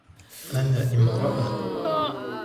أنا امرأة.